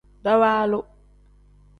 Dawaalu.